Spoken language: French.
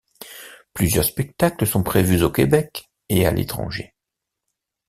Plusieurs spectacles sont prévus au Québec et à l'étranger.